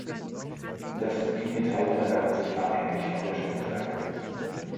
Das Bimetall erwärmt sich abhängig von der Stromstärke.